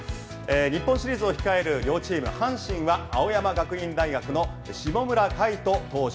日本シリーズを控える両チーム阪神は青山学院大学の下村海翔投手。